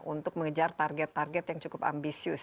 untuk mengejar target target yang cukup ambisius